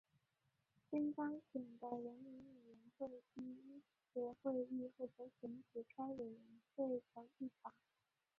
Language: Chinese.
新当选的人民委员会第一次会议负责选举该委员会的议长。